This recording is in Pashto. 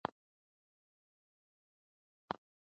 لفروی د جین د مینې لومړی کس و.